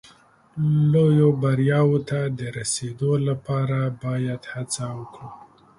لویو بریاوو ته د رسېدو لپاره باید هڅه وکړو.